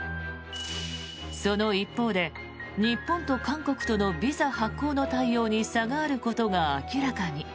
その一方で日本と韓国とのビザ発行の対応に差があることが明らかに。